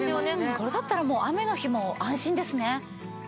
これだったらもう雨の日も安心ですね。